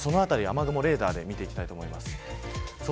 そのあたり、雨雲レーダーで見ていきたいと思います。